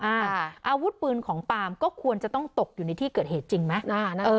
อาวุธปืนของปาล์มก็ควรจะต้องตกอยู่ในที่เกิดเหตุจริงไหม